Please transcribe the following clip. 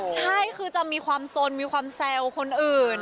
ใช่คือจะมีความสนมีความแซวคนอื่น